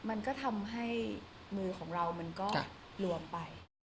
มันก็ทำให้มือของเรามันก็รวมไป